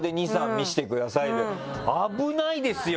見せてください」で危ないですよ！